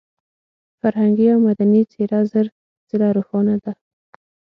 فرهنګي او مدني څېره زر ځله روښانه ده.